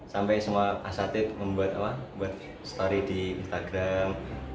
sampai semua kasati membuat story di instagram